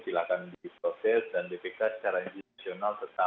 silahkan diproses dan bpk secara institusional tetap